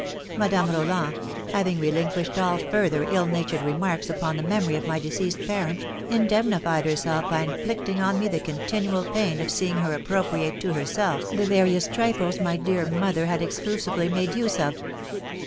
Madame Roland, having relinquished all further ill natured remarks upon the memory of my deceased parent, indemnified herself by inflicting on me the continual pain of seeing her appropriate to herself the various trifles my dear mother had exclusively made use of.